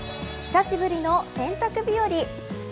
久しぶりの洗濯日和。